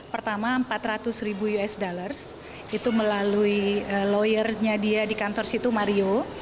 pertama empat ratus ribu usd itu melalui lawyernya dia di kantor situ mario